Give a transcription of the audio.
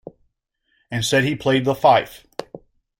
And said he played the fife.